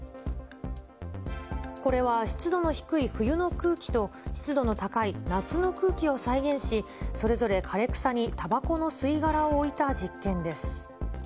これは湿度の低い冬の空気と湿度の高い夏の空気を再現し、それぞれ枯れ草にたばこの吸い殻を置いた実験です。